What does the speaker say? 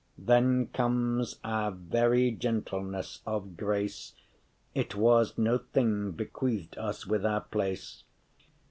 Then comes our very* gentleness of grace; *true It was no thing bequeath’d us with our place.